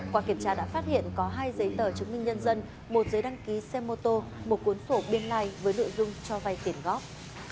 qua kiểm tra đã phát hiện có hai giấy tờ chứng minh nhân dân một giấy đăng ký xe mô tô một cuốn sổ biên lai với nội dung cho vay tiền góp